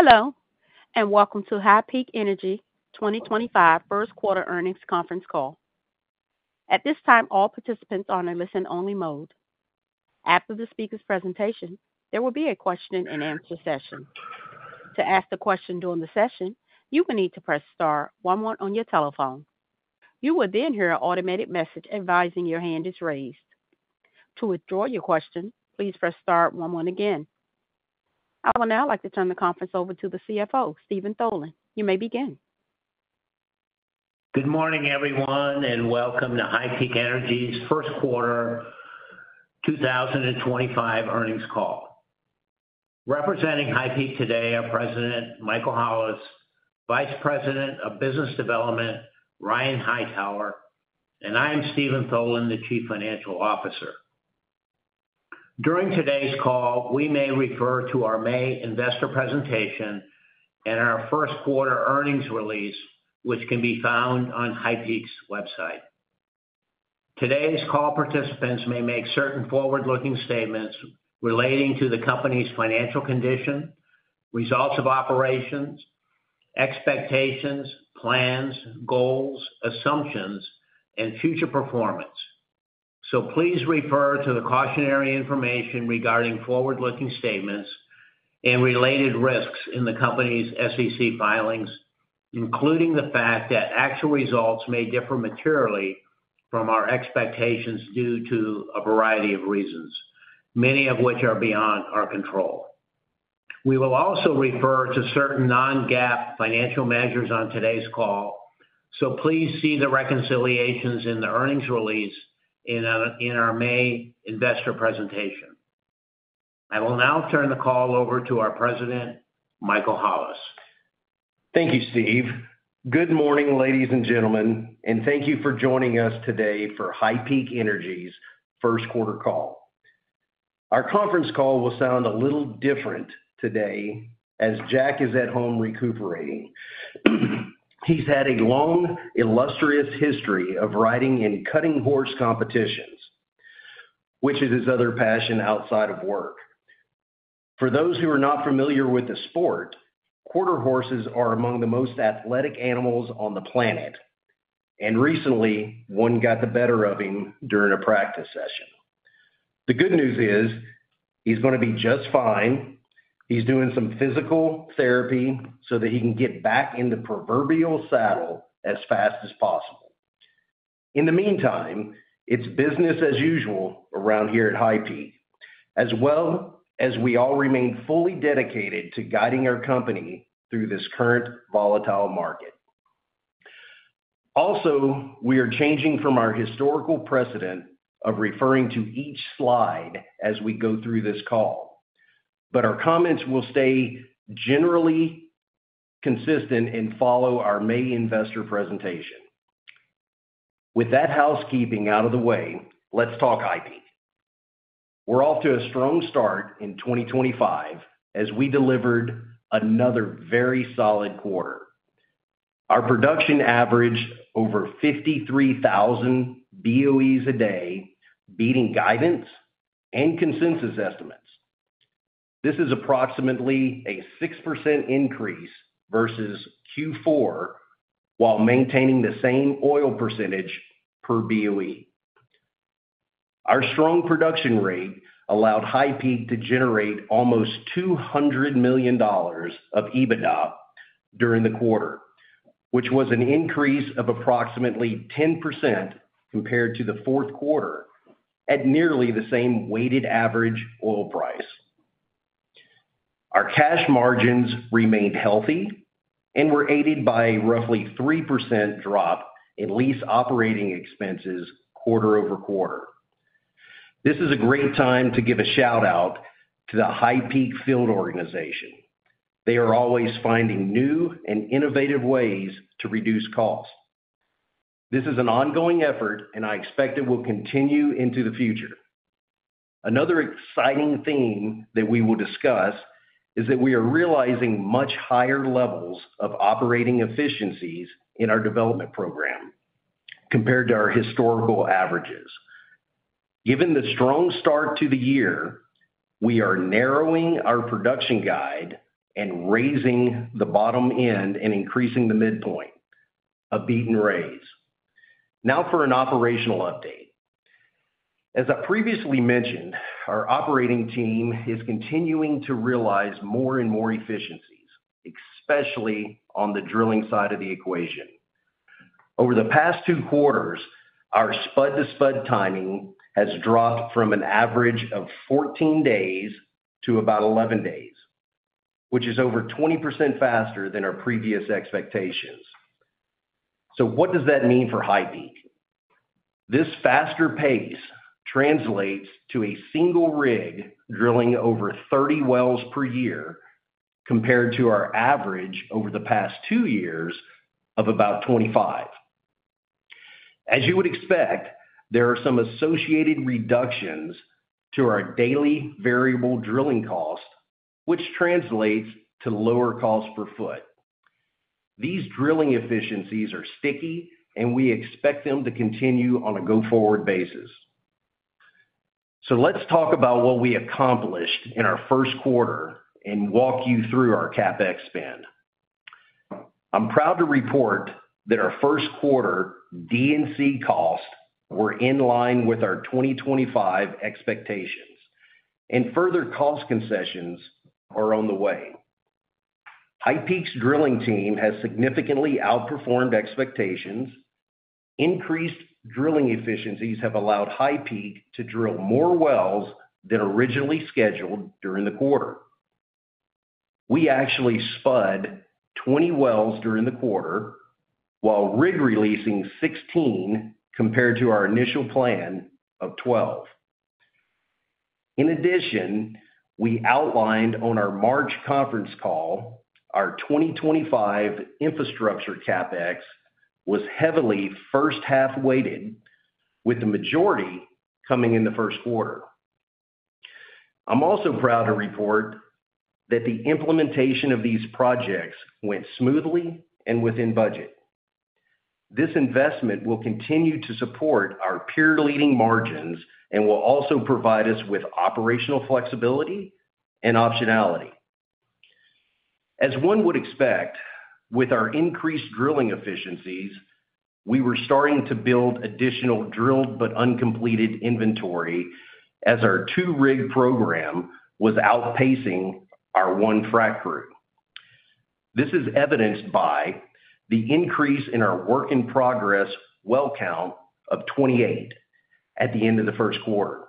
Hello, and welcome to HighPeak Energy 2025 First Quarter Earnings Conference Call. At this time, all participants are on a listen-only mode. After the speaker's presentation, there will be a question-and-answer session. To ask a question during the session, you will need to press star one one on your telephone. You will then hear an automated message advising your hand is raised. To withdraw your question, please press star one one again. I will now like to turn the conference over to the CFO, Steven Tholen. You may begin. Good morning, everyone, and welcome to HighPeak Energy's First Quarter 2025 Earnings Call. Representing HighPeak today are President Michael Hollis, Vice President of Business Development Ryan Hightower, and I am Steven Tholen, the Chief Financial Officer. During today's call, we may refer to our May investor presentation and our First Quarter Earnings release, which can be found on HighPeak's website. Today's call participants may make certain forward-looking statements relating to the company's financial condition, results of operations, expectations, plans, goals, assumptions, and future performance. Please refer to the cautionary information regarding forward-looking statements and related risks in the company's SEC filings, including the fact that actual results may differ materially from our expectations due to a variety of reasons, many of which are beyond our control. We will also refer to certain non-GAAP financial measures on today's call, so please see the reconciliations in the earnings release in our May investor presentation. I will now turn the call over to our President, Michael Hollis. Thank you, Steve. Good morning, ladies and gentlemen, and thank you for joining us today for HighPeak Energy's First Quarter Call. Our conference call will sound a little different today as Jack is at home recuperating. He's had a long, illustrious history of riding in cutting-horse competitions, which is his other passion outside of work. For those who are not familiar with the sport, quarter horses are among the most athletic animals on the planet, and recently, one got the better of him during a practice session. The good news is he's going to be just fine. He's doing some physical therapy so that he can get back in the proverbial saddle as fast as possible. In the meantime, it's business as usual around here at HighPeak, as we all remain fully dedicated to guiding our company through this current volatile market. Also, we are changing from our historical precedent of referring to each slide as we go through this call, but our comments will stay generally consistent and follow our May investor presentation. With that housekeeping out of the way, let's talk HighPeak. We're off to a strong start in 2025 as we delivered another very solid quarter. Our production averaged over 53,000 BOEs a day, beating guidance and consensus estimates. This is approximately a 6% increase versus Q4, while maintaining the same oil percentage per BOE. Our strong production rate allowed HighPeak to generate almost $200 million of EBITDA during the quarter, which was an increase of approximately 10% compared to the fourth quarter at nearly the same weighted average oil price. Our cash margins remained healthy and were aided by a roughly 3% drop in lease operating expenses quarter over quarter. This is a great time to give a shout-out to the HighPeak Field Organization. They are always finding new and innovative ways to reduce costs. This is an ongoing effort, and I expect it will continue into the future. Another exciting theme that we will discuss is that we are realizing much higher levels of operating efficiencies in our development program compared to our historical averages. Given the strong start to the year, we are narrowing our production guide and raising the bottom end and increasing the midpoint, a beat and raise. Now for an operational update. As I previously mentioned, our operating team is continuing to realize more and more efficiencies, especially on the drilling side of the equation. Over the past two quarters, our spud-to-spud timing has dropped from an average of 14 days to about 11 days, which is over 20% faster than our previous expectations. What does that mean for HighPeak? This faster pace translates to a single rig drilling over 30 wells per year compared to our average over the past two years of about 25. As you would expect, there are some associated reductions to our daily variable drilling cost, which translates to lower cost per foot. These drilling efficiencies are sticky, and we expect them to continue on a go-forward basis. Let's talk about what we accomplished in our first quarter and walk you through our CapEx spend. I'm proud to report that our first quarter D&C costs were in line with our 2025 expectations, and further cost concessions are on the way. HighPeak's drilling team has significantly outperformed expectations. Increased drilling efficiencies have allowed HighPeak to drill more wells than originally scheduled during the quarter. We actually spud 20 wells during the quarter, while rig releasing 16 compared to our initial plan of 12. In addition, we outlined on our March conference call, our 2025 infrastructure CapEx was heavily first-half weighted, with the majority coming in the first quarter. I'm also proud to report that the implementation of these projects went smoothly and within budget. This investment will continue to support our peer-leading margins and will also provide us with operational flexibility and optionality. As one would expect, with our increased drilling efficiencies, we were starting to build additional drilled but uncompleted inventory as our two-rig program was outpacing our one frac crew. This is evidenced by the increase in our work-in-progress well count of 28 at the end of the first quarter.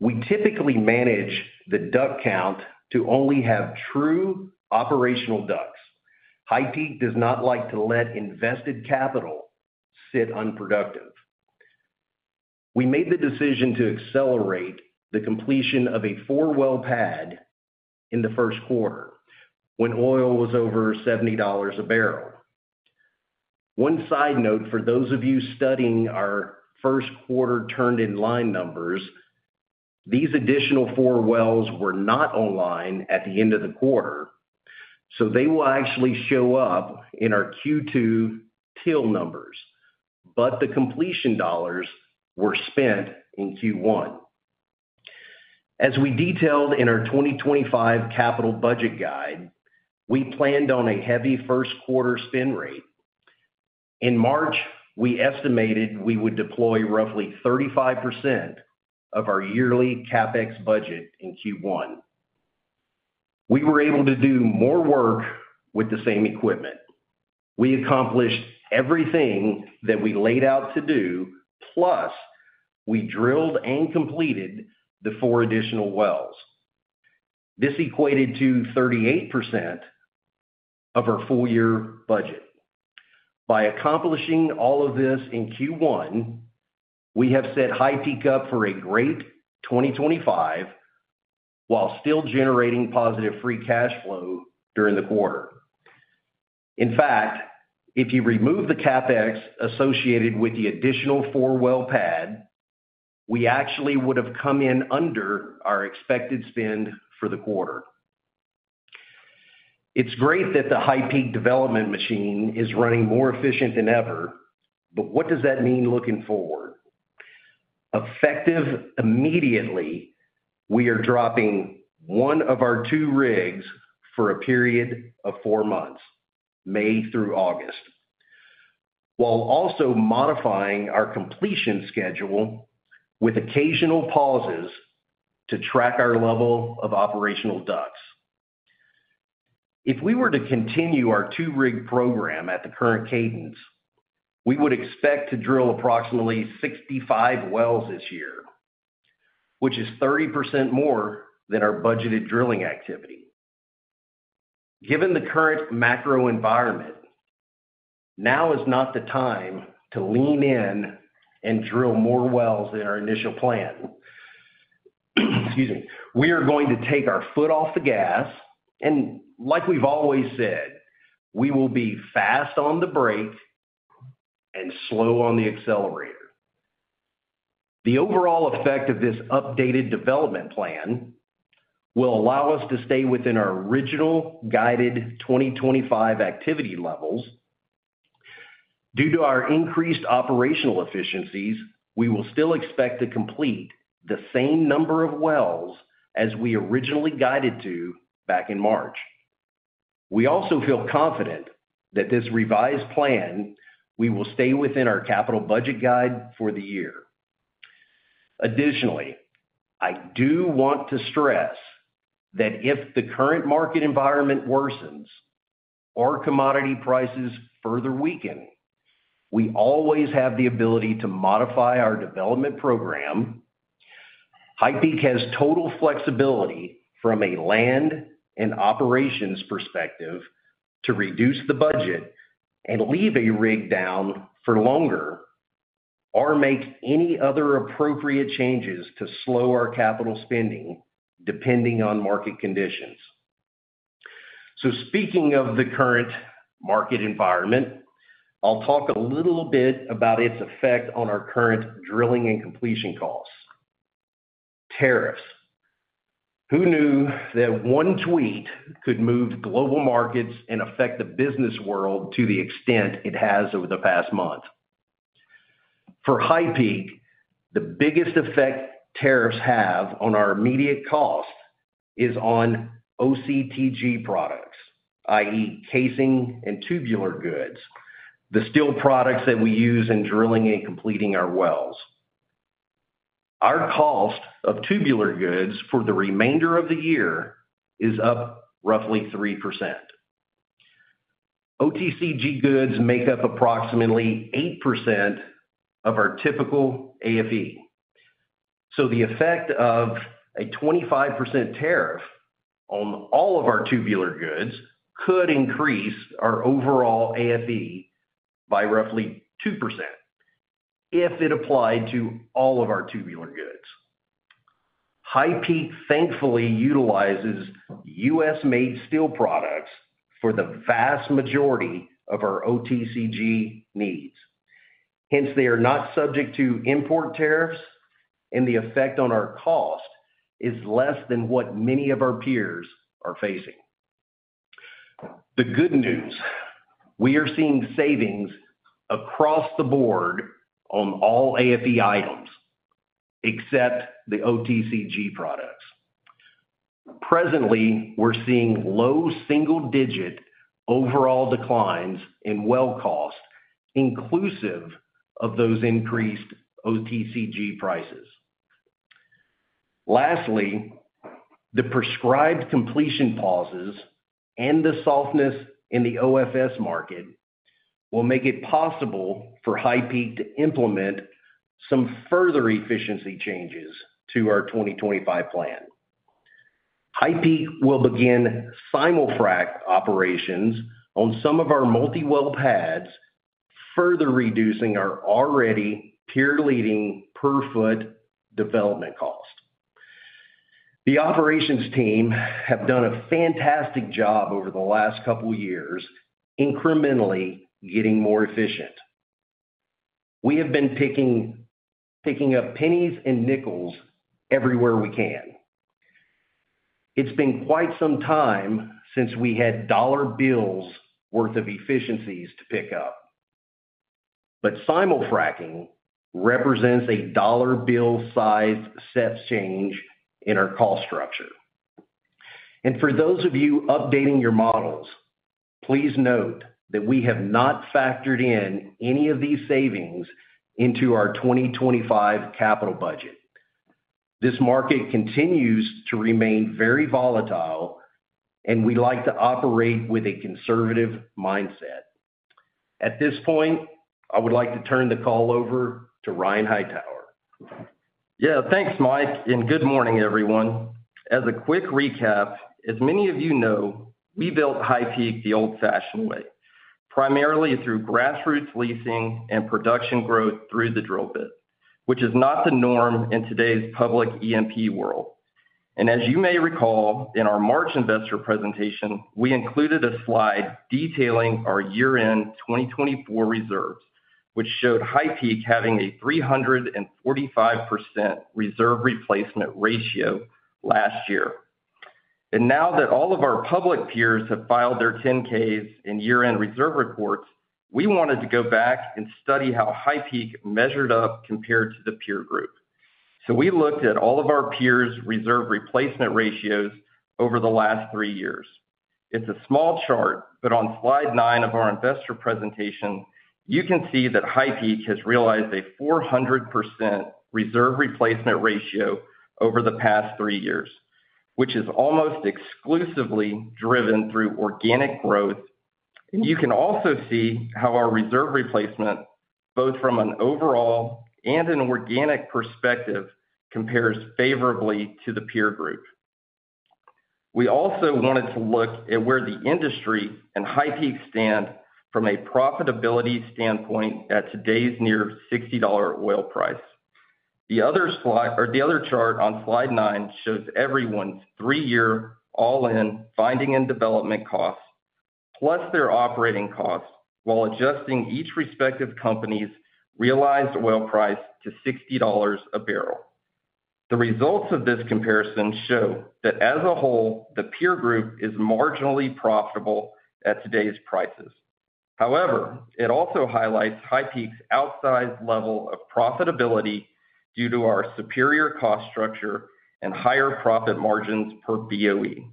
We typically manage the duct count to only have true operational ducts. HighPeak does not like to let invested capital sit unproductive. We made the decision to accelerate the completion of a four-well pad in the first quarter when oil was over $70 a barrel. One side note for those of you studying our first quarter turned-in line numbers: these additional four wells were not online at the end of the quarter, so they will actually show up in our Q2 TIL numbers, but the completion dollars were spent in Q1. As we detailed in our 2025 capital budget guide, we planned on a heavy first-quarter spend rate. In March, we estimated we would deploy roughly 35% of our yearly CapEx budget in Q1. We were able to do more work with the same equipment. We accomplished everything that we laid out to do, plus we drilled and completed the four additional wells. This equated to 38% of our full-year budget. By accomplishing all of this in Q1, we have set HighPeak up for a great 2025 while still generating positive free cash flow during the quarter. In fact, if you remove the CapEx associated with the additional four-well pad, we actually would have come in under our expected spend for the quarter. It's great that the HighPeak development machine is running more efficient than ever, but what does that mean looking forward? Effective immediately, we are dropping one of our two rigs for a period of four months, May through August, while also modifying our completion schedule with occasional pauses to track our level of operational ducts. If we were to continue our two-rig program at the current cadence, we would expect to drill approximately 65 wells this year, which is 30% more than our budgeted drilling activity. Given the current macro environment, now is not the time to lean in and drill more wells than our initial plan. Excuse me. We are going to take our foot off the gas, and like we've always said, we will be fast on the brake and slow on the accelerator. The overall effect of this updated development plan will allow us to stay within our original guided 2025 activity levels. Due to our increased operational efficiencies, we will still expect to complete the same number of wells as we originally guided to back in March. We also feel confident that with this revised plan, we will stay within our capital budget guide for the year. Additionally, I do want to stress that if the current market environment worsens or commodity prices further weaken, we always have the ability to modify our development program. HighPeak has total flexibility from a land and operations perspective to reduce the budget and leave a rig down for longer or make any other appropriate changes to slow our capital spending depending on market conditions. Speaking of the current market environment, I'll talk a little bit about its effect on our current drilling and completion costs: tariffs. Who knew that one tweet could move global markets and affect the business world to the extent it has over the past month? For HighPeak, the biggest effect tariffs have on our immediate cost is on OCTG products, i.e., casing and tubular goods, the steel products that we use in drilling and completing our wells. Our cost of tubular goods for the remainder of the year is up roughly 3%. OCTG goods make up approximately 8% of our typical AFE. The effect of a 25% tariff on all of our tubular goods could increase our overall AFE by roughly 2% if it applied to all of our tubular goods. HighPeak, thankfully, utilizes U.S.-made steel products for the vast majority of our OCTG needs. Hence, they are not subject to import tariffs, and the effect on our cost is less than what many of our peers are facing. The good news: we are seeing savings across the board on all AFE items except the OCTG products. Presently, we're seeing low single-digit overall declines in well cost, inclusive of those increased OCTG prices. Lastly, the prescribed completion pauses and the softness in the OFS market will make it possible for HighPeak to implement some further efficiency changes to our 2025 plan. HighPeak will begin Simul-Frac operations on some of our multi-well pads, further reducing our already peer-leading per-foot development cost. The operations team have done a fantastic job over the last couple of years, incrementally getting more efficient. We have been picking up pennies and nickels everywhere we can. It's been quite some time since we had dollar bills' worth of efficiencies to pick up, but Simul-Fracking represents a dollar bill-sized sets change in our cost structure. For those of you updating your models, please note that we have not factored in any of these savings into our 2025 capital budget. This market continues to remain very volatile, and we like to operate with a conservative mindset. At this point, I would like to turn the call over to Ryan Hightower. Yeah, thanks, Mike, and good morning, everyone. As a quick recap, as many of you know, we built HighPeak the old-fashioned way, primarily through grassroots leasing and production growth through the drill bit, which is not the norm in today's public E&P world. As you may recall, in our March investor presentation, we included a slide detailing our year-end 2024 reserves, which showed HighPeak having a 345% reserve replacement ratio last year. Now that all of our public peers have filed their 10-Ks and year-end reserve reports, we wanted to go back and study how HighPeak measured up compared to the peer group. We looked at all of our peers' reserve replacement ratios over the last three years. It's a small chart, but on slide nine of our investor presentation, you can see that HighPeak has realized a 400% reserve replacement ratio over the past three years, which is almost exclusively driven through organic growth. You can also see how our reserve replacement, both from an overall and an organic perspective, compares favorably to the peer group. We also wanted to look at where the industry and HighPeak stand from a profitability standpoint at today's near $60 oil price. The other chart on slide nine shows everyone's three-year all-in finding and development costs, plus their operating costs, while adjusting each respective company's realized oil price to $60 a barrel. The results of this comparison show that as a whole, the peer group is marginally profitable at today's prices. However, it also highlights HighPeak's outsized level of profitability due to our superior cost structure and higher profit margins per BOE.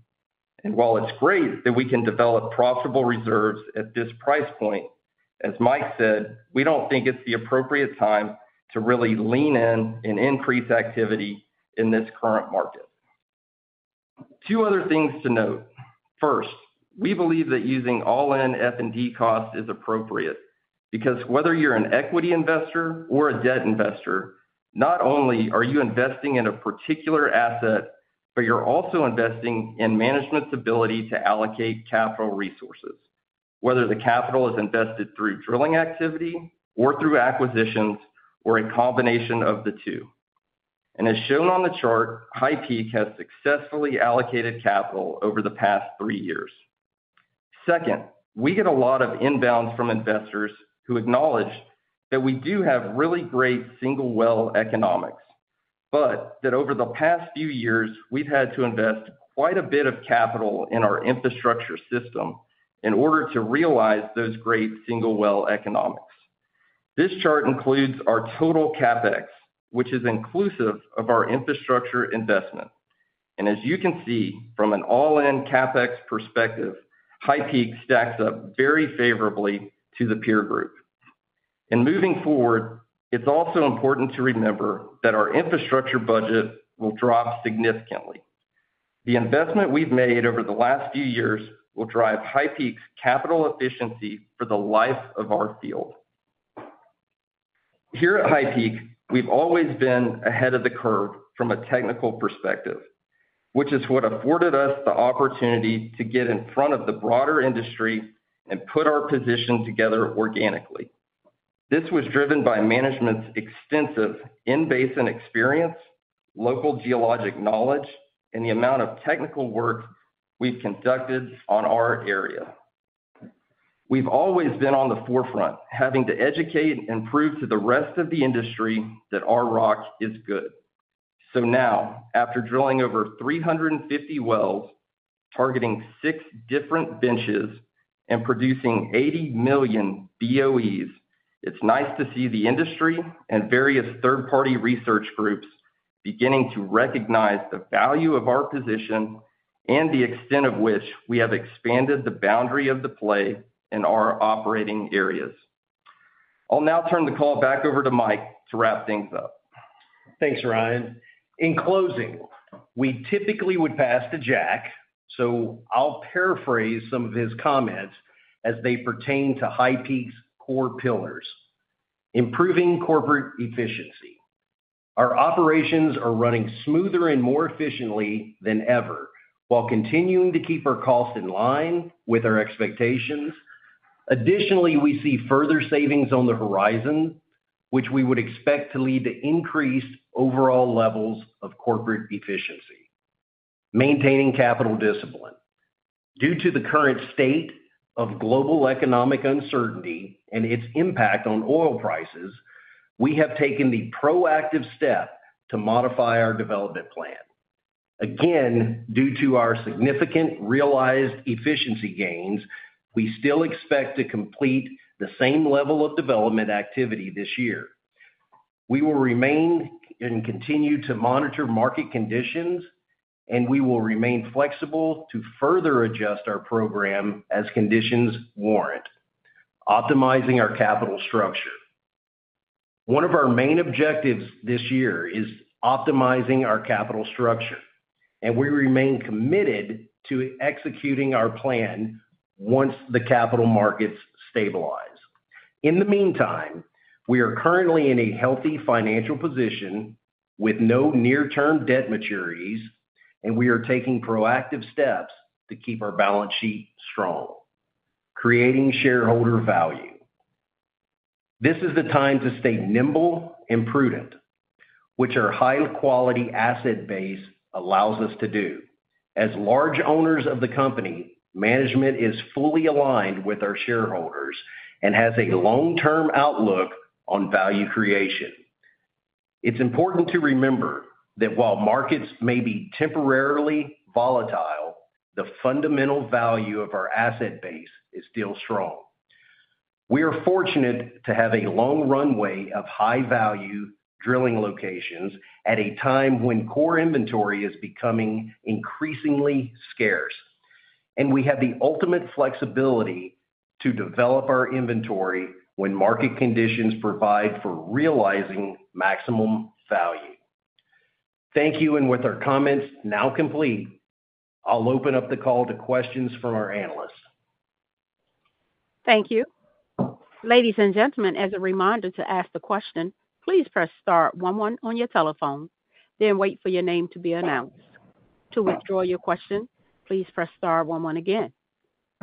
While it is great that we can develop profitable reserves at this price point, as Mike said, we do not think it is the appropriate time to really lean in and increase activity in this current market. Two other things to note. First, we believe that using all-in F&D costs is appropriate because whether you are an equity investor or a debt investor, not only are you investing in a particular asset, but you are also investing in management's ability to allocate capital resources, whether the capital is invested through drilling activity or through acquisitions or a combination of the two. As shown on the chart, HighPeak has successfully allocated capital over the past three years. Second, we get a lot of inbounds from investors who acknowledge that we do have really great single-well economics, but that over the past few years, we've had to invest quite a bit of capital in our infrastructure system in order to realize those great single-well economics. This chart includes our total CapEx, which is inclusive of our infrastructure investment. As you can see from an all-in CapEx perspective, HighPeak stacks up very favorably to the peer group. Moving forward, it's also important to remember that our infrastructure budget will drop significantly. The investment we've made over the last few years will drive HighPeak's capital efficiency for the life of our field. Here at HighPeak, we've always been ahead of the curve from a technical perspective, which is what afforded us the opportunity to get in front of the broader industry and put our position together organically. This was driven by management's extensive in-basin experience, local geologic knowledge, and the amount of technical work we've conducted on our area. We've always been on the forefront, having to educate and prove to the rest of the industry that our rock is good. Now, after drilling over 350 wells, targeting six different benches, and producing 80 million BOEs, it's nice to see the industry and various third-party research groups beginning to recognize the value of our position and the extent to which we have expanded the boundary of the play in our operating areas. I'll now turn the call back over to Mike to wrap things up. Thanks, Ryan. In closing, we typically would pass to Jack, so I'll paraphrase some of his comments as they pertain to HighPeak's core pillars: improving corporate efficiency. Our operations are running smoother and more efficiently than ever while continuing to keep our costs in line with our expectations. Additionally, we see further savings on the horizon, which we would expect to lead to increased overall levels of corporate efficiency. Maintaining capital discipline. Due to the current state of global economic uncertainty and its impact on oil prices, we have taken the proactive step to modify our development plan. Again, due to our significant realized efficiency gains, we still expect to complete the same level of development activity this year. We will remain and continue to monitor market conditions, and we will remain flexible to further adjust our program as conditions warrant, optimizing our capital structure. One of our main objectives this year is optimizing our capital structure, and we remain committed to executing our plan once the capital markets stabilize. In the meantime, we are currently in a healthy financial position with no near-term debt maturities, and we are taking proactive steps to keep our balance sheet strong, creating shareholder value. This is the time to stay nimble and prudent, which our high-quality asset base allows us to do. As large owners of the company, management is fully aligned with our shareholders and has a long-term outlook on value creation. It's important to remember that while markets may be temporarily volatile, the fundamental value of our asset base is still strong. We are fortunate to have a long runway of high-value drilling locations at a time when core inventory is becoming increasingly scarce, and we have the ultimate flexibility to develop our inventory when market conditions provide for realizing maximum value. Thank you, and with our comments now complete, I'll open up the call to questions from our analysts. Thank you. Ladies and gentlemen, as a reminder to ask the question, please press star one one on your telephone, then wait for your name to be announced. To withdraw your question, please press star one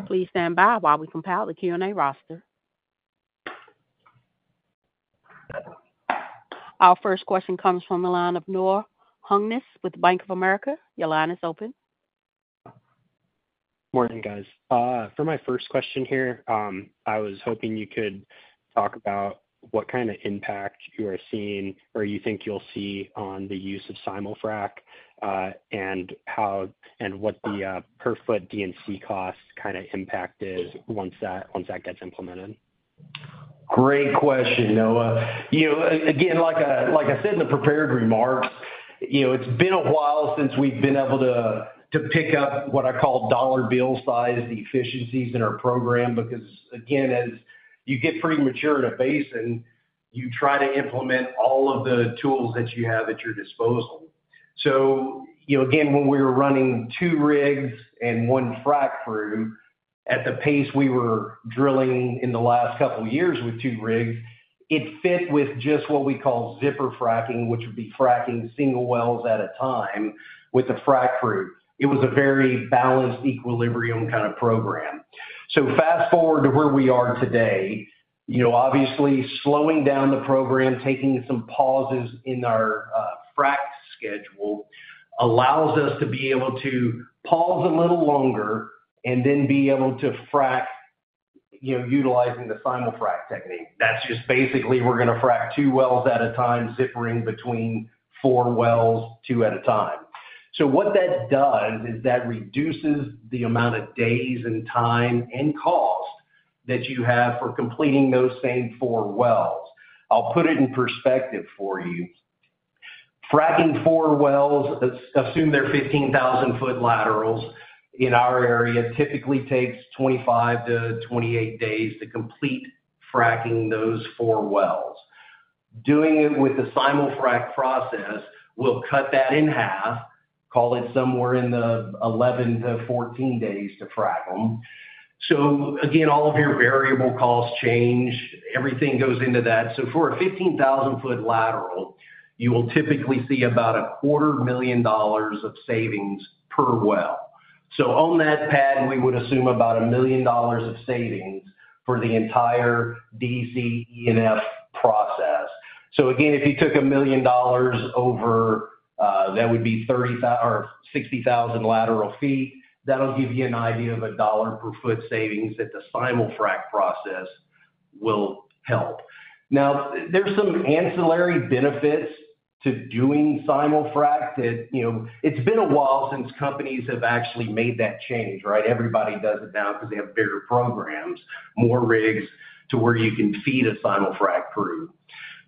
one again. Please stand by while we compile the Q&A roster. Our first question comes from the line of Noah Hungness with Bank of America. Your line is open. Morning, guys. For my first question here, I was hoping you could talk about what kind of impact you are seeing or you think you'll see on the use of Simul-Frac and what the per-foot D&C cost kind of impact is once that gets implemented. Great question, Noah. Again, like I said in the prepared remarks, it's been a while since we've been able to pick up what I call dollar bill-sized efficiencies in our program because, again, as you get premature in a basin, you try to implement all of the tools that you have at your disposal. Again, when we were running two rigs and one frac crew, at the pace we were drilling in the last couple of years with two rigs, it fit with just what we call zipper fracking, which would be fracking single wells at a time with a frac crew. It was a very balanced equilibrium kind of program. Fast forward to where we are today. Obviously, slowing down the program, taking some pauses in our frac schedule allows us to be able to pause a little longer and then be able to frac utilizing the Simul-Frac technique. That's just basically we're going to frac two wells at a time, zippering between four wells, two at a time. What that does is that reduces the amount of days and time and cost that you have for completing those same four wells. I'll put it in perspective for you. Fracking four wells, assume they're 15,000-foot laterals in our area, typically takes 25-28 days to complete fracking those four wells. Doing it with the Simul-Frac process will cut that in half, call it somewhere in the 11-14 days to frac them. Again, all of your variable costs change. Everything goes into that. For a 15,000-foot lateral, you will typically see about $250,000 of savings per well. On that pad, we would assume about $1 million of savings for the entire D&C process. Again, if you took $1 million over, that would be 60,000 lateral feet. That'll give you an idea of a dollar per foot savings that the Simul-Frac process will help. Now, there's some ancillary benefits to doing Simul-Frac that it's been a while since companies have actually made that change, right? Everybody does it now because they have bigger programs, more rigs to where you can feed a Simul-Frac crew.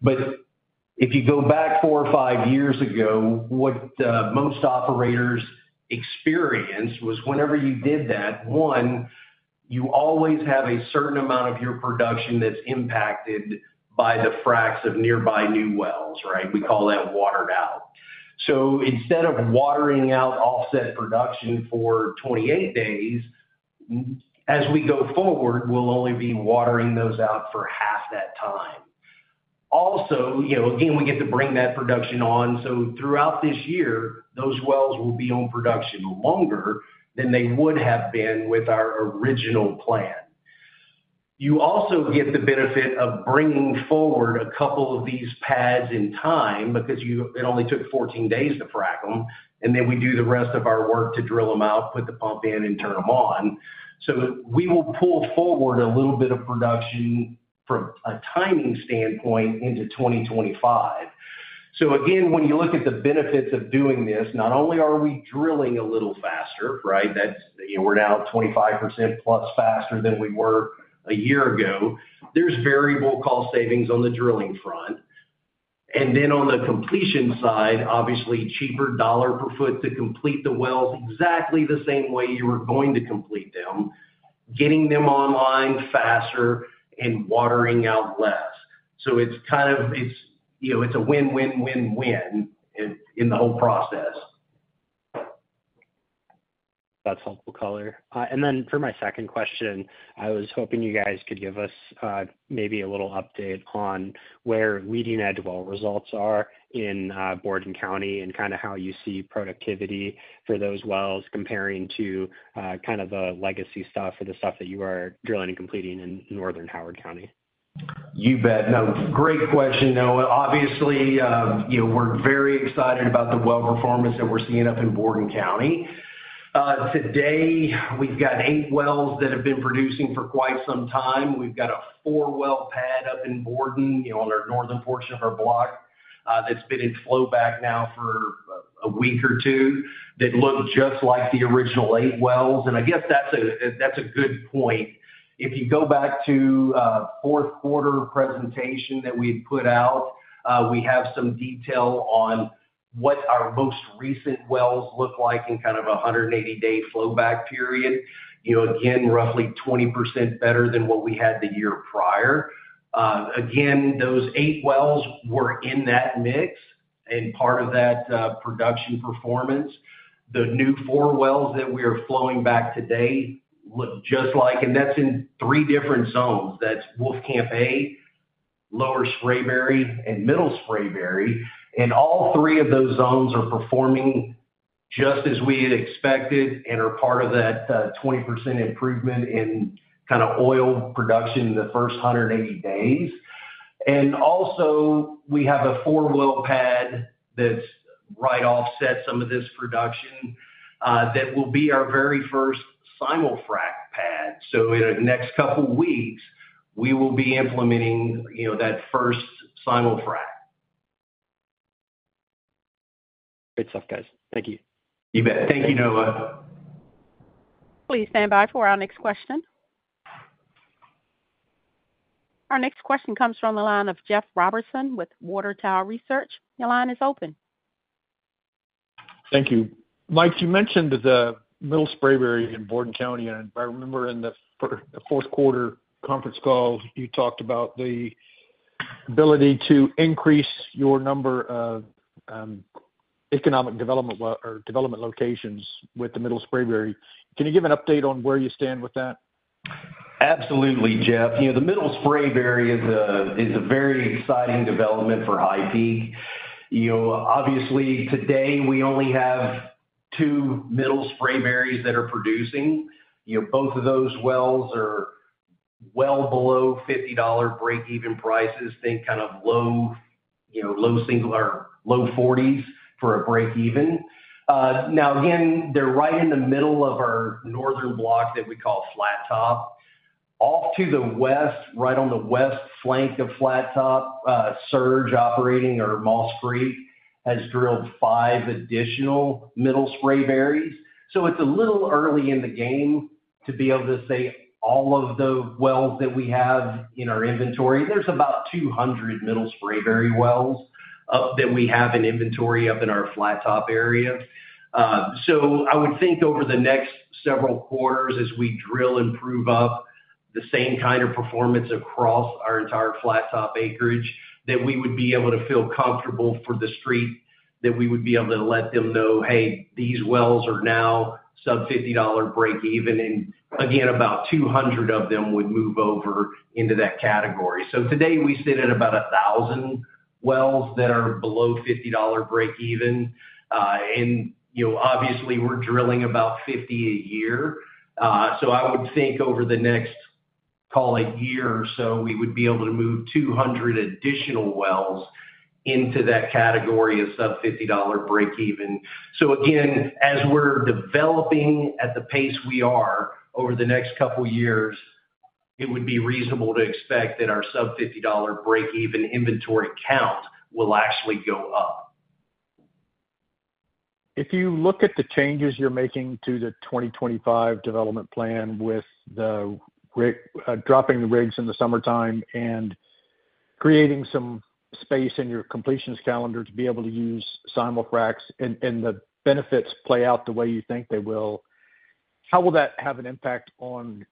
If you go back four or five years ago, what most operators experienced was whenever you did that, one, you always have a certain amount of your production that's impacted by the fracs of nearby new wells, right? We call that watered out. Instead of watering out offset production for 28 days, as we go forward, we'll only be watering those out for half that time. Also, again, we get to bring that production on. Throughout this year, those wells will be on production longer than they would have been with our original plan. You also get the benefit of bringing forward a couple of these pads in time because it only took 14 days to frac them, and then we do the rest of our work to drill them out, put the pump in, and turn them on. We will pull forward a little bit of production from a timing standpoint into 2025. Again, when you look at the benefits of doing this, not only are we drilling a little faster, right? We're now 25%+ faster than we were a year ago. There's variable cost savings on the drilling front. On the completion side, obviously, cheaper dollar per foot to complete the wells exactly the same way you were going to complete them, getting them online faster and watering out less. It is kind of a win, win, win, win in the whole process. That is helpful, Color. For my second question, I was hoping you guys could give us maybe a little update on where leading-edge well results are in Borden County and kind of how you see productivity for those wells comparing to kind of the legacy stuff or the stuff that you are drilling and completing in Northern Howard County. You bet. No, great question, Noah. Obviously, we are very excited about the well performance that we are seeing up in Borden County. Today, we have eight wells that have been producing for quite some time. We've got a four-well pad up in Borden on our northern portion of our block that's been in flowback now for a week or two that look just like the original eight wells. I guess that's a good point. If you go back to fourth quarter presentation that we had put out, we have some detail on what our most recent wells look like in kind of a 180-day flowback period. Again, roughly 20% better than what we had the year prior. Those eight wells were in that mix, and part of that production performance, the new four wells that we are flowing back today look just like, and that's in three different zones. That's Wolfcamp A, Lower Sprayberry, and Middle Sprayberry. All three of those zones are performing just as we had expected and are part of that 20% improvement in kind of oil production in the first 180 days. Also, we have a four-well pad that is right offset some of this production that will be our very first Simul-Frac pad. In the next couple of weeks, we will be implementing that first Simul-Frac. Great stuff, guys. Thank you. You bet. Thank you, Noah. Please stand by for our next question. Our next question comes from the line of Jeff Robertson with Water Tower Research. Your line is open. Thank you. Mike, you mentioned the Middle Sprayberry in Borden County. I remember in the fourth quarter conference call, you talked about the ability to increase your number of economic development locations with the Middle Sprayberry. Can you give an update on where you stand with that? Absolutely, Jeff. The Middle Sprayberry is a very exciting development for HighPeak. Obviously, today, we only have two Middle Sprayberries that are producing. Both of those wells are well below $50 break-even prices, think kind of low 40s for a break-even. Now, again, they're right in the middle of our northern block that we call Flat Top. Off to the west, right on the west flank of Flat Top, Surge Operating or Moss Creek has drilled five additional Middle Sprayberries. It's a little early in the game to be able to say all of the wells that we have in our inventory. There's about 200 Middle Sprayberry wells that we have in inventory up in our Flat Top area. I would think over the next several quarters, as we drill and prove up the same kind of performance across our entire Flat Top acreage, that we would be able to feel comfortable for the street that we would be able to let them know, "Hey, these wells are now sub-$50 break-even." Again, about 200 of them would move over into that category. Today, we sit at about 1,000 wells that are below $50 break-even. Obviously, we're drilling about 50 a year. I would think over the next, call it, year or so, we would be able to move 200 additional wells into that category of sub-$50 break-even. Again, as we're developing at the pace we are over the next couple of years, it would be reasonable to expect that our sub-$50 break-even inventory count will actually go up. If you look at the changes you're making to the 2025 development plan with dropping the rigs in the summertime and creating some space in your completions calendar to be able to use Simul-Fracs, and the benefits play out the way you think they will, how will that have an impact on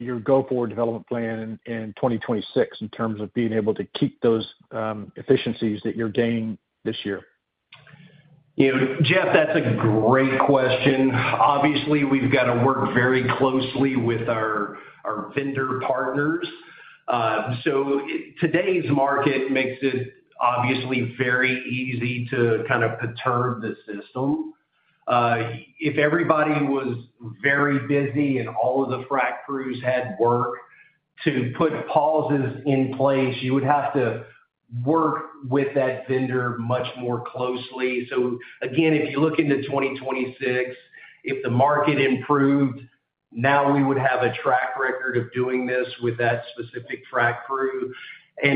your go-forward development plan in 2026 in terms of being able to keep those efficiencies that you're gaining this year? Jeff, that's a great question. Obviously, we've got to work very closely with our vendor partners. Today's market makes it obviously very easy to kind of perturb the system. If everybody was very busy and all of the frac crews had work to put pauses in place, you would have to work with that vendor much more closely. If you look into 2026, if the market improved, now we would have a track record of doing this with that specific frac crew.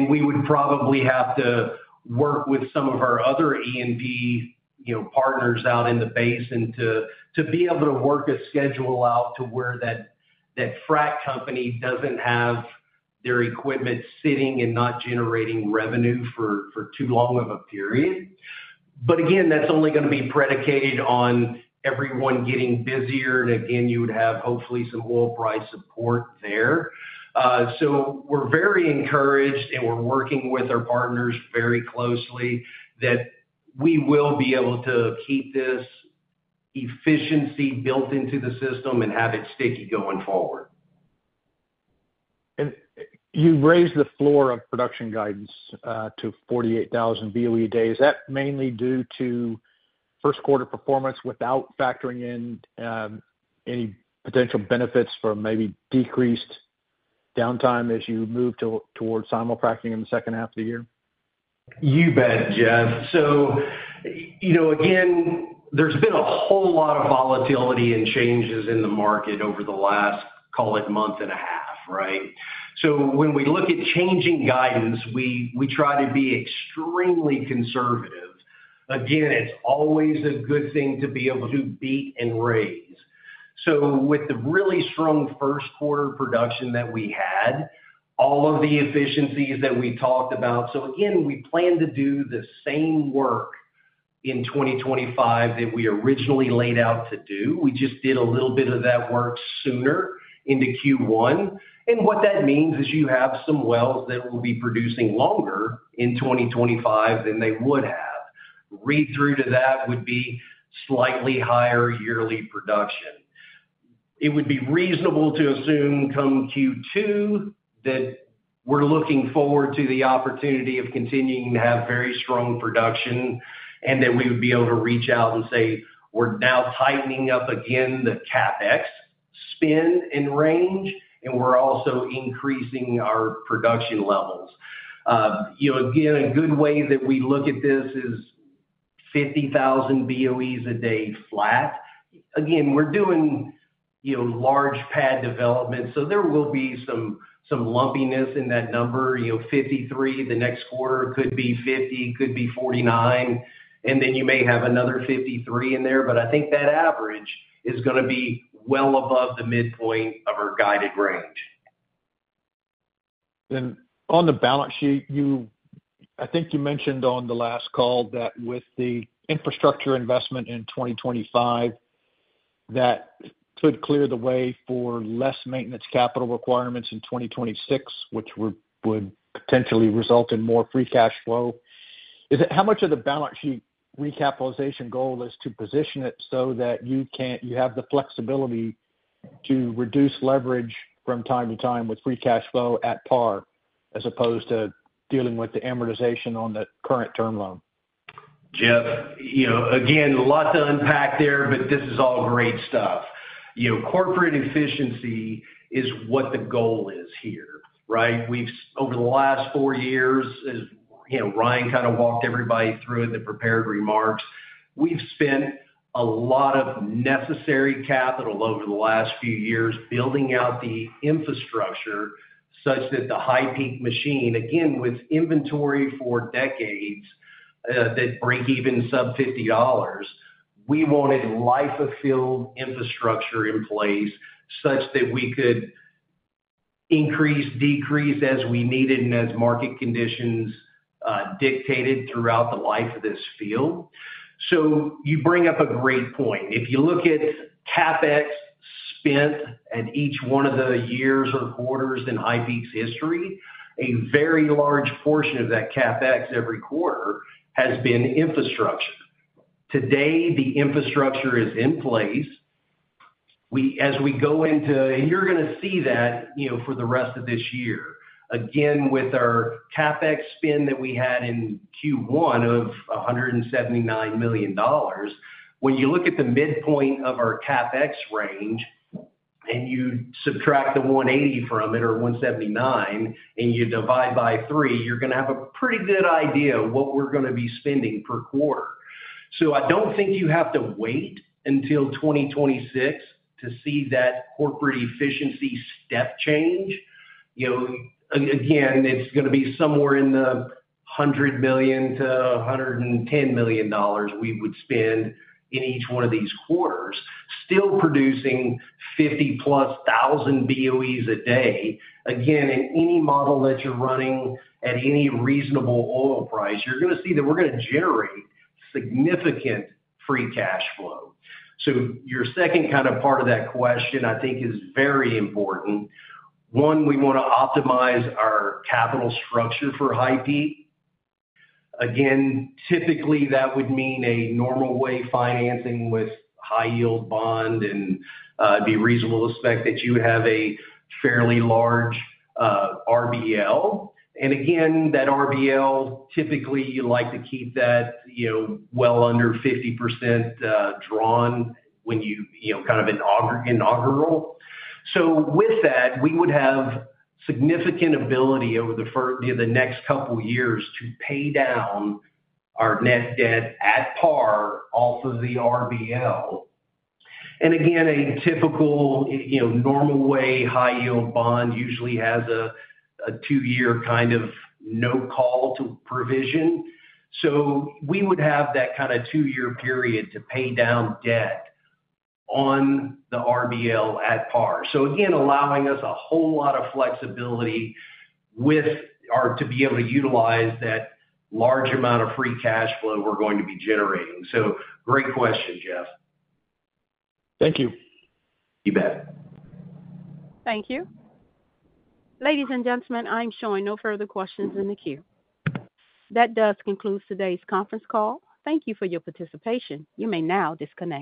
We would probably have to work with some of our other E&P partners out in the basin to be able to work a schedule out to where that frac company does not have their equipment sitting and not generating revenue for too long of a period. That is only going to be predicated on everyone getting busier. You would have hopefully some oil price support there. We are very encouraged, and we are working with our partners very closely that we will be able to keep this efficiency built into the system and have it sticky going forward. You have raised the floor of production guidance to 48,000 BOE days. Is that mainly due to first-quarter performance without factoring in any potential benefits for maybe decreased downtime as you move towards Simul-Fracking in the second half of the year? You bet, Jeff. Again, there's been a whole lot of volatility and changes in the market over the last, call it, month and a half, right? When we look at changing guidance, we try to be extremely conservative. Again, it's always a good thing to be able to beat and raise. With the really strong first-quarter production that we had, all of the efficiencies that we talked about, we plan to do the same work in 2025 that we originally laid out to do. We just did a little bit of that work sooner into Q1. What that means is you have some wells that will be producing longer in 2025 than they would have. Read-through to that would be slightly higher yearly production. It would be reasonable to assume come Q2 that we're looking forward to the opportunity of continuing to have very strong production and that we would be able to reach out and say, "We're now tightening up again the CapEx spend and range, and we're also increasing our production levels." A good way that we look at this is 50,000 BOEs a day flat. We are doing large pad development, so there will be some lumpiness in that number. 53 the next quarter could be 50, could be 49, and then you may have another 53 in there. I think that average is going to be well above the midpoint of our guided range. On the balance sheet, I think you mentioned on the last call that with the infrastructure investment in 2025, that could clear the way for less maintenance capital requirements in 2026, which would potentially result in more free cash flow. How much of the balance sheet recapitalization goal is to position it so that you have the flexibility to reduce leverage from time to time with free cash flow at par as opposed to dealing with the amortization on the current term loan? Jeff, again, a lot to unpack there, but this is all great stuff. Corporate efficiency is what the goal is here, right? Over the last four years, Ryan kind of walked everybody through it in the prepared remarks. We've spent a lot of necessary capital over the last few years building out the infrastructure such that the HighPeak machine, again, with inventory for decades that break even sub-$50, we wanted life-of-field infrastructure in place such that we could increase, decrease as we needed and as market conditions dictated throughout the life of this field. You bring up a great point. If you look at CapEx spent at each one of the years or quarters in HighPeak's history, a very large portion of that CapEx every quarter has been infrastructure. Today, the infrastructure is in place. As we go into and you're going to see that for the rest of this year. Again, with our CapEx spend that we had in Q1 of $179 million, when you look at the midpoint of our CapEx range and you subtract the $180 million from it or $179 million and you divide by 3, you're going to have a pretty good idea of what we're going to be spending per quarter. I don't think you have to wait until 2026 to see that corporate efficiency step change. Again, it's going to be somewhere in the $100 million-$110 million we would spend in each one of these quarters, still producing 50-plus thousand BOEs a day. In any model that you're running at any reasonable oil price, you're going to see that we're going to generate significant free cash flow. Your second kind of part of that question, I think, is very important. One, we want to optimize our capital structure for HighPeak. Again, typically, that would mean a normal way financing with high-yield bond, and it'd be reasonable to expect that you would have a fairly large RBL. That RBL, typically, you like to keep that well under 50% drawn when you kind of inaugural. With that, we would have significant ability over the next couple of years to pay down our net debt at par off of the RBL. A typical normal way high-yield bond usually has a two-year kind of no-call provision. We would have that kind of two-year period to pay down debt on the RBL at par. Again, allowing us a whole lot of flexibility to be able to utilize that large amount of free cash flow we're going to be generating. Great question, Jeff. Thank you. You bet. Thank you. Ladies and gentlemen, I am showing no further questions in the queue. That does conclude today's conference call. Thank you for your participation. You may now disconnect.